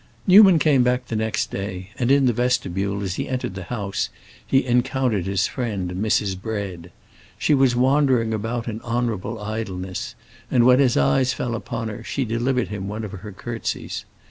Newman came back the next day, and in the vestibule, as he entered the house, he encountered his friend Mrs. Bread. She was wandering about in honorable idleness, and when his eyes fell upon her she delivered him one of her curtsies.